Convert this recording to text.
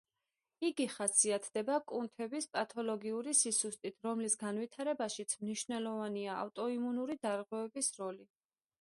იგი ხასიათდება კუნთების პათოლოგიური სისუსტით, რომლის განვითარებაშიც მნიშვნელოვანია აუტოიმუნური დარღვევების როლი.